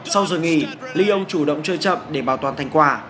sau giờ nghỉ lyon chủ động chơi chậm để bảo toàn thành quả